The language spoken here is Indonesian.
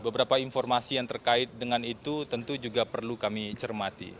beberapa informasi yang terkait dengan itu tentu juga perlu kami cermati